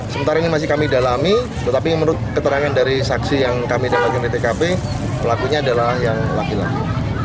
sementara ini masih kami dalami tetapi menurut keterangan dari saksi yang kami dapatkan di tkp pelakunya adalah yang laki laki